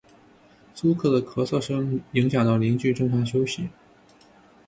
租客的咳嗽声影响到邻居正常休息